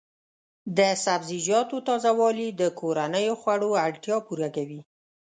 د سبزیجاتو تازه والي د کورنیو خوړو اړتیا پوره کوي.